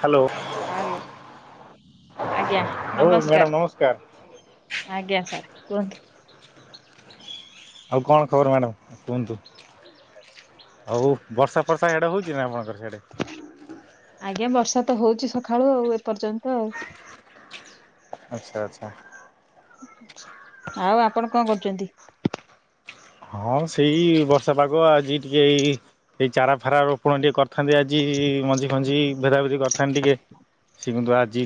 Hello hello [inaudible] ଆଜ୍ଞା ହଉ madam ନମସ୍କାର [inaudible] ଆଜ୍ଞା ସାର୍। କୁହନ୍ତୁ? ଆଉ କଣ ଖବର ମ୍ୟାଡ଼ାମ କୁହନ୍ତୁ [inaudible] ଆଉ ବର୍ଷା ଫର୍ଷା ସେଡ଼େ ହେଉଛି ନା ଆପଣଙ୍କର ସେଇଡ଼େ । ଆଜ୍ଞା ବର୍ଷା ତ ହଉଛି ସକାଳୁ ଆଉ ଏପର୍ଯ୍ୟନ୍ତ ଆଉ ଆଚ୍ଛା ଆଚ୍ଛା। ହୁଁ ଉଁ। ଆଉ ଆପଣ କଣ କରୁଛନ୍ତିୁ। ଛନ୍ତି ହଁ ସେଇ ବର୍ଷା ପାଗ ଆଜି ଟିକେଇ ଏଇ ଚାରା ଫାରା ରୋପଣ ଟିକେ କରି ଖାନ୍ତି ଆଜି ମଞ୍ଜି ଖଞ୍ଜି ଭେରାଭେରି କରି ତଥାନ ଟିକେ ଶିଖନ୍ତୁ ଆଜି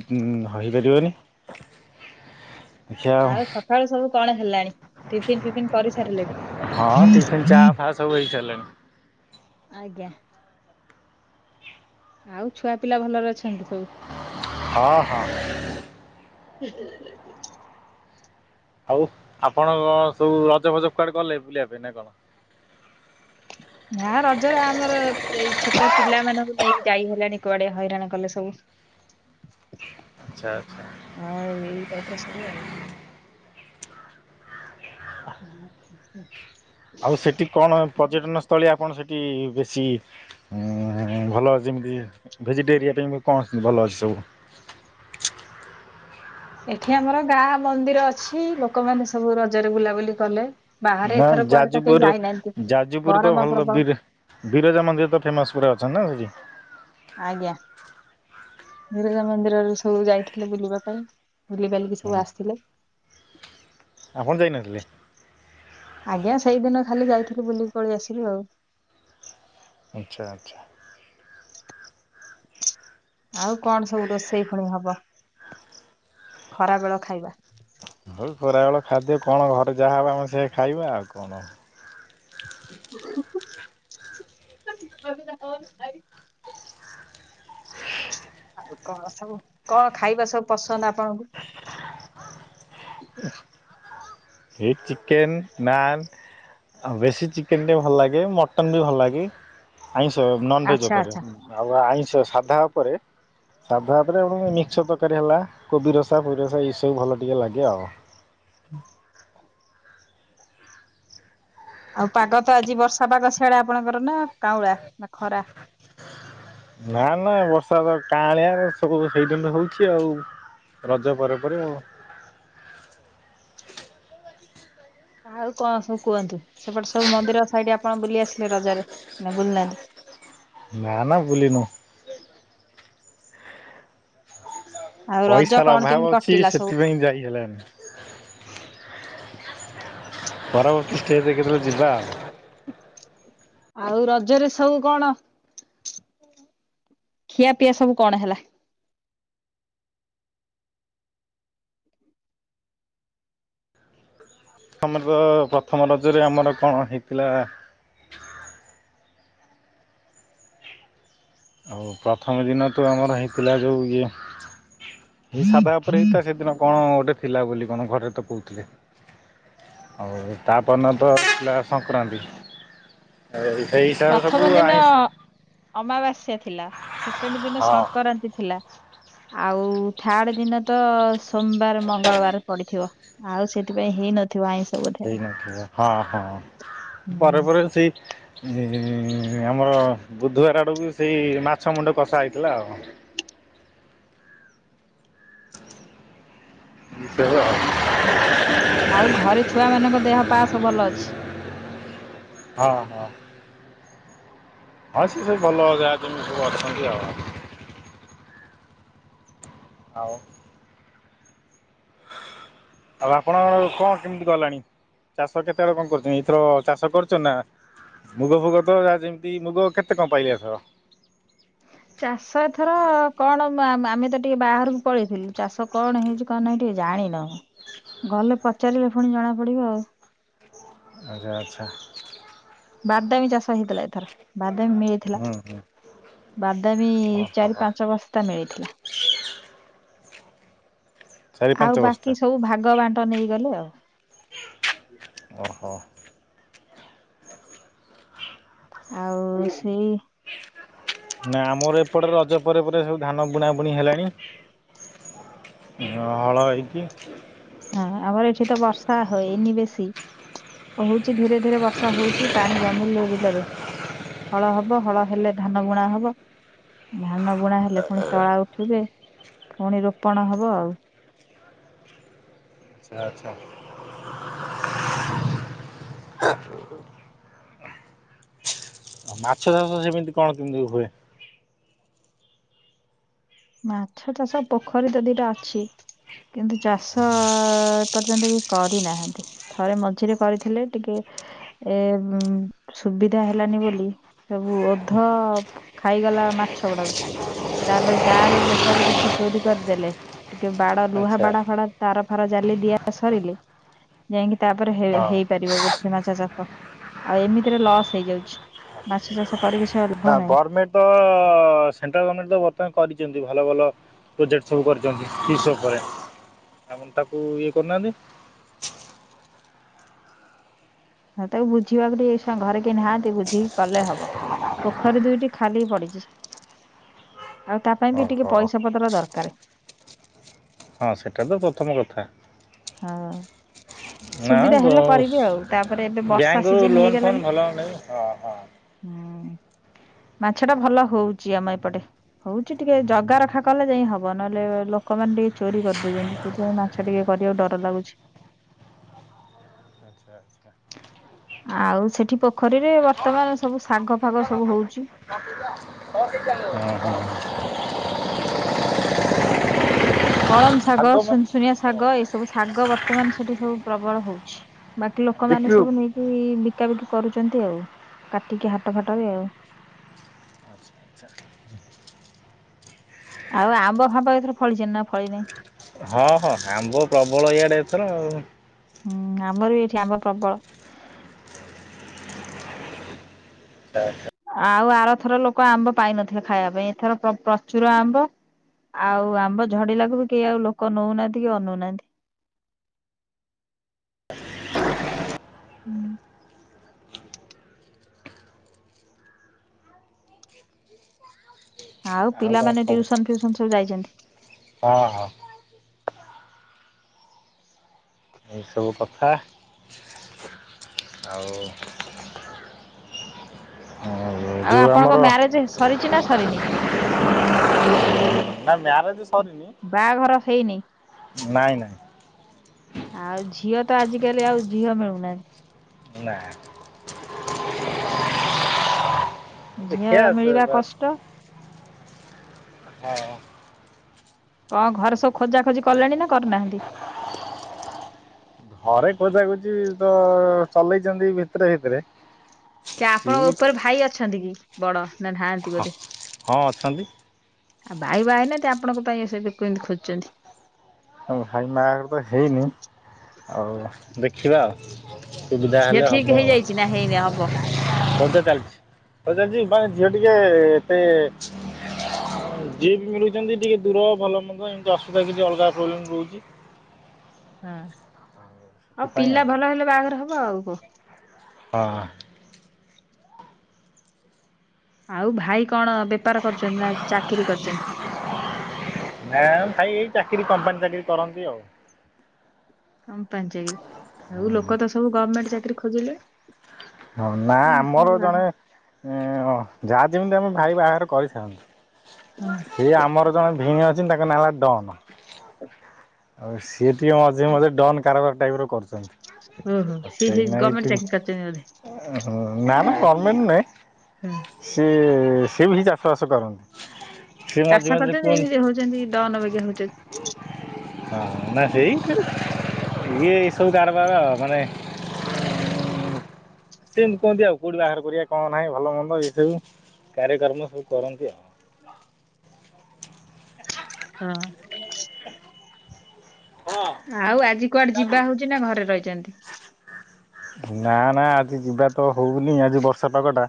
ହୋଇପାରିବନି। [inaudible] ଆଉ ସକାଳୁ ସବୁ କଣ ହେଲାଣି। ଟିଫିନ୍ ଫିଫିନ୍ କରି ସାରିଲେ। ହଁ ଟିଫିନ୍ ଚା ଫା ସବୁ ହେଇସାରିଲାଣି [inaudible] ଆଜ୍ଞା। ଆଉ ଛୁଆ ପିଲା ଭଲରେ ଅଛନ୍ତି ସବୁ। ହଁ ହଁ। [unintelligible] ଆଉ ଆପଣ କଣ ସବୁ ରଜ ଫଜ କୁଆଡେ ଗଲେ ବୁଲିବା ପାଇଁ ନା କଣ। ନା ରଜରେ ଆମର ଏଇ ଛୋଟ ପିଲା ମାନଙ୍କୁ ନେଇକି ଯାଇ ହେଲାଣି କୁଆଡେ ହଇରାଣ କଲେ ସବୁ। ଆଚ୍ଛା ଆଚ୍ଛା ଆ ଏଇ ଟାଇପ ର ସବୁ ଆଉ। [inaudible] ଆଚ୍ଛା। ଆଉ ସେଠି କଣ ପର୍ଯ୍ୟଟନ ସ୍ଥଳୀ ଆପଣ ସେଠି ଟି ବେଶୀ ଭଲ ଯେମିତି ଭେଜିଟ ଏରିଆ ପାଇଁ ବି କଣ ଭଲ ଅଛି ସବୁ। ଏଠି ଆମର ଗାଁ ମନ୍ଦିର ଅଛି ଲୋକମାନେ ସବୁ ରଜରେ ବୁଲାବୁଲି କଲେ। ବାହାରେ ନା ଏଥର କୁଆଡେ ତ କେହି ଯାଜପୁର ଯାଇନାହାନ୍ତି ଯାଜପୁର ତ ଗରମ ଭଲ ପ୍ରବଳ ବିର ବିରଜା ମନ୍ଦିର ତ ଫେମସ ପୁରା ଅଛନ୍ତି ନା ସେଠି। ଆଜ୍ଞା ବିରଜା ମନ୍ଦିରରୁ ସବୁ ଯାଇଥିଲେ ବୁଲିବା ପାଇଁ। ବୁଲି ବାଲିକି ସବୁ ହୁଁ ଆସିଥିଲେ। ଆପଣ ଯାଇନଥିଲେ। ଆଜ୍ଞା ସେଇଦିନ ଖାଲି ଯାଇଥିଲୁ ବୁଲିିକି ପଳେଇ ଆସିଲୁ ଆଉ। ଆଚ୍ଛା ଆଚ୍ଛା। ଆଉ କଣ ସବୁ ରୋଷେଇ ପୁଣି ହବ। ଖରା ବେଳ ଖାଇବା। ହଉ ଖରାବେଳ ଖାଦ୍ୟ କଣ ଭାତ ଯାହା ହବ ଆମେ ସେୟା ଖାଇବା ଆଉ କଣ ହବ। [inaudible] [unintelligible] ଆଉ କଣ ସବୁ କଣ ଖାଇବା ସବୁ ପଶୁ ମାନେ ଆପଣଙ୍କୁ। ଏ ଚିକେନ ନାନ୍ ବେଶୀ ଚିକେନ ଟେ ଭଲ ଲାଗେ ମଟନ୍ ବି ଭଲ ଲାଗେ। ଆଇଁଷ ନନଭେଜ ଆଚ୍ଛା ଉପରେ ଆଚ୍ଛା ଆଉ ଆଇଁଷ ସାଧା ଉପରେ ସାଧା ଉପରେ ମିକ୍ସ ତରକାରୀ ହେଲା କୋବି ରସା ଫୁଇ ରସା ଏଇ ସବୁ ଭଲ ଟିକେ ଲାଗେ ଆଉ। ହୁଁ। ଆଉ ପାଗ ତ ଆଜି ବର୍ଷା ପାଗ ସେଆଡେ ଆପଣଙ୍କର ନା କାଉଁଳା ନା ଖରା। ନା ନା ବର୍ଷା ତ କାଁଳିଆ ସବୁ ସେଇଦିନଠୁ ହଉଛି ଆଉ ରଜ ପରେ ପରେ ଆଉ। ଆଉ କଣ ସବୁ କୁହନ୍ତୁ ସେପଟେ ସବୁ ମନ୍ଦିର ସାଇଡ ଆପଣ ବୁଲି ଆସିଲେ ରଜରେ ନା ବୁଲ ନାହାନ୍ତି। ମ ନା ବୁଲି ନୁ‌। ଆଉ ରଜ ପଇସାର କଣ କେମିତି ଅଭାବ ଅଛି କଟିଲା ସବୁ? ସେଥିପାଇଁ ଯାଇ ହେଲାନି। [inaudible] ପରବର୍ତ୍ତୀ ଷ୍ଟେପ ରେ କେତେବେଲେ ଯିବା ଆଉ ରଜରେ ସବୁ କଣ [inaudible] ଖିଆ ପିଆ ସବୁ କଣ ହେଲା? ଆମର ତ ପ୍ରଥମ ରଜରେ ଆମର କଣ ହେଇଥିଲା ଆଉ ପ୍ରଥମ ଦିନ ତ ଆମର ହେଇଥିଲା ଯୋଉ ଇଏ ଏଇ ସାଧା ଉପରେ ହେଇଥିଲା ସେଦିନ କଣ ଗୋଟେ ଥିଲା ବୋଲି ଘରେ ତ କହୁଥିଲେ [inaudible] ଆଉ ତାପର ଦିନ ତଥିଲା ସଂକ୍ରାନ୍ତି ଆଉ ପ୍ରଥମ ଦିନ [inaudible] ଅମାବାସ୍ୟା ଥିଲା। ସେ କେମି ଦିନ ହଁ। ସଙ୍କରାନ୍ତି ଥିଲା ଆଉ ଥାର୍ଡ ଦିନ ତ ସୋମବାର ମଙ୍ଗଳବାର ପଡିଥିବ ଆଉ ସେଥିପାଇଁ ହେଇନଥିବ ଆଇଁଷ ବୋଧେ ଆଉ। ସେଇ ନା ହଁ ହଁ ହୁଁ। ପରେ ପରେ ସେଇ ଏଁ ଆମର ବୁଧବାର ଆଡକୁ ସେଇ ମାଛ ମୁଣ୍ଡ କଷା ହେଇଥିଲା ଆଉ [inaudible] ଆଉ ଘରେ ଛୁଆ ମାନଙ୍କ ଦେହ ପା ସବୁ ଭଲ ଅଛି। ହଁ ହଁ। ହଁ ସି ସବୁ ଭଲ ଯା ଯେମିତି ଭଲ ଅଛନ୍ତି ଆଉ ଆଉ ଆଉ ଆପଣ କଣ କେମିତି ଗଲାଣି ଚାଷ କେତେବେଳେ କଣ କରୁଛନ୍ତି। ଏଥର ଚାଷ କରୁଛ ନା ମୁଗ ଫୁଗ ତ ଯେମିତି ମୁଗ କେତେ କଣ ପାଇଲି ଏଥର? ଚାଷ ଏଥର କଣ ଆମେ ଆମେ ତ ଟିକେ ବାହାରକୁ ପଳେଇଥିଲୁ ଚାଷ କଣ ହେଇଛି କଣ ନାହିଁ ଟିକେ ଜାଣିନୁ। ଗଲେ ପଚାରିଲେ ପୁଣି ଜଣା ପଡିବ ଆଉ ଆଚ୍ଛା ଆଚ୍ଛା। ବାଦାମୀ ଚାଷ ହେଇଥିଲା ଏଥର ବାଦାମୀ ମିଳିଥିଲା ହୁଁ ହୁଁ [inaudible] ବାଦାମୀ ଚାରି ଓହୋ ପାଞ୍ଚ ବସ୍ତା ମିଳିଥିଲା। [inaudible] ଚାରି ପାଞ୍ଚ ଆଉ ବସ୍ତା ବାକି ସବୁ ଭାଗ ବାଣ୍ଟ ନେଇଗଲେ ଆଉ ଓହୋ। ଆଉ ସେଇ ନା ଆମର ଏପଟେ ରଜ ପରେ ପରେ ସବୁ ଧାନ ବୁଣାବୁଣି ହେଲାଣି ହ--ହଳ ହେଇକି [unintelligible] ହଁ ଆମର ଏଠି ତ ବର୍ଷା ହେଇନି ବେଶୀ କହୁଛି ଧୀରେ ଧୀରେ ବର୍ଷା ହଉଛି ପାଣି ଜମିଲେ ବିଲରେ ହଳ ହବ, ହଳ ହେଲେ ଧାନ ବୁଣା ହବ, ଧାନ ବୁଣା ହେଲେ ପୁଣି ତଳା ଉଠିବେ ପୁଣି ରୋପଣ ହବ ଆଉ ଆଚ୍ଛା ଆଚ୍ଛା। ମାଛ ଚାଷ ସେମିତି କଣ କେମତି ହୁଏ ମାଛ ଚାଷ ପୋଖରୀ ତ ଦିଟା ଅଛି କିନ୍ତୁ ଚାଷ--ଏ ପର୍ଯ୍ୟନ୍ତ କି କରିନାହାନ୍ତି ଥରେ ମଝିରେ କରିଥିଲେ ଟିକେ ଏ--ସୁବିଧା ହେଲାନି ବୋଲି ସବୁ ଓଧ ଖାଇଗଲା ମାଛ ଗୁଡାକୁ ତାପରେ ଗାଁରେ ଲୋକ ବି କିଛି ଚୋରି କରିଦେଲେ ଟିକେ ବାଡ ଲୁହା ଆଚ୍ଛା ବାଡ ଫାଡ ତାର ଫାର ଜାଲି ଦିଆ ସରିଲେ ଯାଇକି ତାପରେ ହେଇ ହଁ ହେଇପାରିବ ବୋଧେ ମାଛ ଚାଷ ଆଉ ଏମିତିରେ ଲସ୍ ହେଇଯାଉଛି, ମାଛ ଚାଷ କରି କିଛି ନା ଲାଭ ନାହିଁ ଗଭରମେଣ୍ଟ ତ ସେଣ୍ଟ୍ରାଲ ଗଭମେଣ୍ଟ ତ ବର୍ତ୍ତମାନ କରିଛନ୍ତି ଭଲ ଭଲ ପ୍ରୋଜେକ୍ଟ ସବୁ କରିଛନ୍ତି ଫିସ ଉପରେ ଆପଣ ତାକୁ ଇଏ କରୁନାହାନ୍ତି ହଉ ତାକୁ ବୁଝିବାକୁ ଟିକେ ଘରେ କେ ନାହାନ୍ତି ବୁଝିକି କଲେ ହବ ପୋଖରୀ ଦୁଇଟି ଖାଲି ପଡିଛି ଆଉ ତା ପାଇଁ ବି ଟିକେ ଓହୋ ପଇସା ପତ୍ର ଦରକାର ହଁ ସେଟା ତ ପଥମ କଥା ହଁ ନା ସୁବିଧା ହେଲେ କରିବି ଆଉ ଦଶ ତାପରେ ଏବେ ବର୍ଷା ବ୍ୟାଙ୍କରୁୁ ସିଜନ ଲୋନ ହେଇଗଲାଣି ଫୋନ କଲେ ହୁଅନ୍ତା ଯେ ହଁ ହଁ ହୁଁ ମାଛ ଟା ଭଲ ହଉଛି ଆମ ଏପଟେ ହଉଛି ଟିକେ ଜଗା ରଖା କଲେ ଯାଇ ହବ ନହେଲେ ଲୋକମାନେ ଟିକେ ଚୋରି କରିଦଉଛନ୍ତି ସେଇଥିପାଇଁ ମାଛ ଟିକେ କରିବାକୁ ଡର ଭଲ ଲାଗୁଛି ଆଚ୍ଛା ଆଚ୍ଛା ଆଉ ସେଠି ପୋଖରୀରେ ବର୍ତ୍ତମାନ ସବୁ ଶାଗ ଫାଗ ସବୁ ହଉଛି ହଁ କଳମ ଶାଗ, ସୁନସୁନିଆ ଶାଗ ଏ ସବୁ ଶାଗ ବର୍ତ୍ତମାନ ସେଠି ସବୁ ପ୍ରବଳ ହଉଛି ବାକି ଲୋକମା ନେ ବିକ୍ରି ହଉଛି ସବୁ ନେଇକି ବିକାବିକି କରୁଛନ୍ତି ଆଉ କାଟିକି ହାଟ ଫାଟ ରେ ଆଉ। ଆଉ ଆମ୍ବ ଫାମ୍ପ ଏଥର ଫଳିଛନ୍ତି ନା ଫଳି ନାହିଁ। ହଁ ହଁ ଆମ୍ବ ପ୍ରବଳ ଇଆଡେ ଏଥର ଆଉ। ହୁଁ ଆମର ବି ଏଠି ଆମ ପ୍ରବଳ [inaudible] ଆଉ ଆରଥର ଲୋକ ଆମ୍ବ ପାଇନଥିଲେ ଖାଇବା ପାଇଁ ଏଥର ପ୍ରଚୁର ଆମ୍ବ ଆଉ ଆମ୍ବ ଝଡିଲାକୁ ବି କେହି ଆଉ ଲୋକ ନେଉନାହାନ୍ତି କି ଅନଉନାହାନ୍ତି। ହୁଁ ଆଉ କଣ ପିଲାମାନେ ଖବର ଟ୍ୟୁସନ ଫ୍ୟୁସନ ସବୁ ଯାଇଛନ୍ତି। ହଁ ହଁ ଏଇସବୁ କଥା ଆଉ ଆଉ ଯୋଉ ଆପଣଙ୍କ ଆମର ମ୍ୟାରେଜ ସରିଛି ନା ସରିନି। ନା ମ୍ୟାରେଜ ସରିନି ବାହାଘର ହେଇନି ନାଇଁ ନାଇଁ ଆଉ ଝିଅ ତ ଆଜିକାଲି ଆଉ ଝିଅ ମିଳୁନାହାନ୍ତି। ନା [unintelligible] ଝିଅ ଦେଖିଆ ସେ ମିଳିବା ବାସ୍ କଷ୍ଟ। ହଁ କଣ ଘରେ ସବୁ ଖୋଜା ଖୋଜି କଲେଣି ନା କରିନାହାନ୍ତି। ଘରେ ଖୋଜା ଖୋଜି ତ ଚଲେଇଛନ୍ତି ଭିତରେ ଭିତରେ କି ଆପଣଙ୍କ ଉପରେ ଭାଇ ଅଛନ୍ତି କି ବଡ ନା ନାହାନ୍ତି ହ ବୋଧେ? ହଁ ଅଛନ୍ତି ଆଉ ବାଇ ବାଇନି ଆପଣଙ୍କ ପାଇଁ ଏସ ବି କେମିତି ଖୋଜୁଛନ୍ତି। ହ ଭାଇ ମାଘର ତ ହେଇନି ଆଉ ଦେଖିବା ଆଉ ସୁବିଧା ଝିଅ ହେଲେ ଠିକ ଅବବା ହେଇଯାଇଛି ନା ହେଇନି ହବ ବଧେ ଚାଲିଛି? ଝିଅ ଟିକେ ଏତେ [unintelligible] ବି ମିଳୁଛନ୍ତି ଟିକେ ଦୂର ଭଲ ମନ୍ଦ ଏମିତି ଅସୁବିଧା କିଛି ଅଲଗା ପ୍ରୋବ୍ଲେମ ରହୁଛି ହଁ ହଉ ସେଥିପାଇଁ ପିଲା ଆଉ ଭଲ ହେଲେ ବାହାଘର ହବ ଆଉ ହ ହଁ ଆଉ ଭାଇ କଣ ବେପାର କରୁଛନ୍ତି ନା ଚାକିରିୀ କରୁଛନ୍ତି? ହଁ ଭାଇ ଏଇ ଚାକିରି କମ୍ପାନୀ ଚାକିରିୀ କରନ୍ତି ଆଉ କମ୍ପାନୀ ଚାକରି? ଆଉ ଲୋକ ତ ସବୁ ଗଭର୍ଣମେଣ୍ଟ ଚାକିରରି ଖୋଜିଲେନି ହଁ ନା ଆମର ଜଣେ ଯାହା ଯେମିତି ଆମେ ଭାଇ ବାହାଘର କରିଥାନ୍ତୁ ସିଏ ଆମର ଜଣେ ଭିଣ ଅ ଚିନ୍ତା କର ନ ଲା ଡନ ସେ ଟିକେ ମଝିରେ ମଝି ଡନ୍ କାରବାର ଟାଇ୍ରବାର କଷ୍ଟ ହୁହୁଁ ସେ ସେଇ ଗମେଣ୍ଟ ଚାକିରି କରିଛନ୍ତି ବୋଧେ ଓ ଓହ୍ ନା ନା ଗମେଟେ ହଁ ନହିଁ ସେ ସିଏ ବି ଏହି ଚାଷବାସ କରନ୍ତି ସିଏ ମଝି ଚାଷ ମଝିରେ କରୁଛନ୍ତି କୁହନ୍ତି ଏମିତି ହଉଛନ୍ତି ଡନ ବାଗିଆ ହଉଛନ୍ତି ହଁ ନା ସେଇ ଇଏ ଏ ସବୁ କାରବାର ମାନେ ସେମିତି କୁହନ୍ତି ଆଉ କୋଉଠି ବାହାଗରର କରିବା କଣ ନାହିଁ ଭଲ ମନ୍ଦ ଏ ସବୁ କାର୍ୟକମ୍ ସବୁ କରନ୍ତି ଆଉ ହ ହୁଁ ଆଉ ଆଜି କୁଆଡେ ଯିବା ହଉଛି ନା ଘରେ ରହି ଜନ୍ତି ନା ନା ଆଜି ଯିବା ତ ହଉନି ଆଜି ବର୍ଷ ସେପଟକା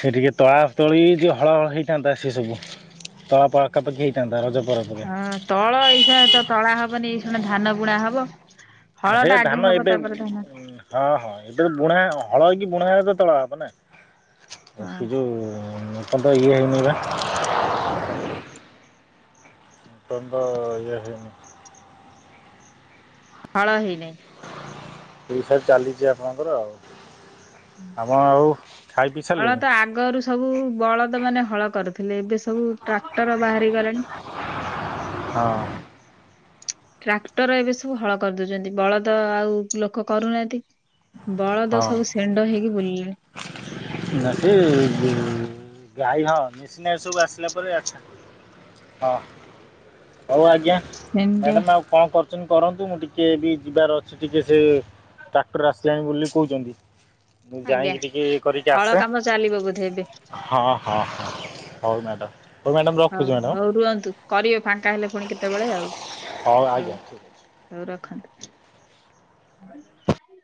ସେ ଟିକେ ତଳା ତୋଳି ଯିଏ ହଳ ହଳ ହେଇଥାନ୍ତା ସିଏ ସବୁ ତଳା ପକାପାଖି ହେଇଥାନ୍ତା ରଜ ପରେ ପରେ ହଁ ତଳ ଏଇସା ତ ତଳା ହବନି ଏ ଶୁନା ଧାନ ବୁଣା ହବ ହଳ ସେ ଟା ଆଗେ ଧାନ ହବ ଏବେ ତାପରେ ଧାନ ହଁ ହଁ ଏବେ ବୁଣା ହଳ ହେକି ବୁଣ ହେ ତ ତଳ ହବ ନା ହଁ ସେ ଯୋଉ ମତ ତ ଇଏ ହେନଲା ମତନ ଇଏ ହେନି ଫଳ ହେଇନହି ପୀଇଶା ଚାଲିଛି ଆପଣଙ୍କର ଆଉ ଆପଣ ଆଉ ଖାଇ ପିଇ ହଳ ସାରିଲେଣି ତ ଆଗରୁ ସବୁ ବଳଦ ମାନେ ହଳ କରିଥିଲେ ବି ସବୁ ଟ୍ରାକ୍ଟର ବାହାରି ଗଲେଣି ହଁ। ଟ୍ରାକ୍ଟର ଏବେ ସବୁ ହଳ କରିଦଉଛନ୍ତି ବଳଦ ଆଉ ଲୋକ କରୁନାହାନ୍ତି। ବଳଦ ହଁ ସବୁ ଷେଣ୍ଢ ହେଇକି ବୁଲିଲେଣି ଗାଈ ହଁ ମେସିନ ସବୁ ଆସିଲା ପରେ ଆଛା ହଁ। ହଉ ଆଜ୍ଞା ଷେଣ୍ଢ ମ୍ୟାଡାମ ଆଉ କଣ କରୁ। [inaudible] କରନ୍ତୁ ମୁ ଟିକେ ବି ଯିବାର ଅଛି ଟିକେ ସେ ଟ୍ରାକ୍ଟର ଆସିଲାଣି ବୋଲି କହୁଛନ୍ତି। ମୁଁ ଆଜ୍ଞା। ଯାଇକି। କରିକି ହଳ ଆସେ କାମ ଚାଲିବ ବୋଧେ ଏବେ ହଁ ହଁ ହଁ। ହଉ ମ୍ୟାଡ। ହଉ ହଉ ରୁହନ୍ତୁ କରିବେ ଫାଙ୍କା ହେଲେ ପୁଣି କେତେବେଳେ ଆଉ ହଉ ଆଜ୍ଞା ଠିକ୍ ଅଛି ହଉ ରଖନ୍ତୁ। [inaudible]